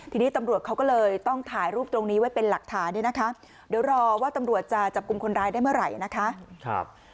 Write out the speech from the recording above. ทีนี้ตำรวจเขาก็เลยต้องถ่ายรูปตรงนี้ไว้เป็นหลักฐานเนี่ยนะคะเดี๋ยวรอว่าตำรวจจะจับกลุ่มคนร้ายได้เมื่อไหร่นะคะ